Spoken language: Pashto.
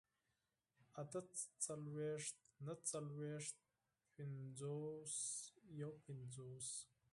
اتهڅلوېښت، نههڅلوېښت، پينځوس، يوپينځوس